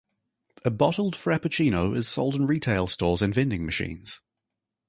A bottled "Frappuccino" is sold in retail stores and vending machines.